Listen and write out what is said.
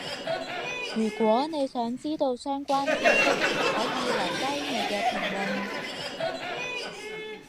如果你想知到相關智識，可以留低你嘅評論